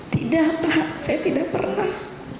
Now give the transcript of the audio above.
tidak pak saya tidak pernah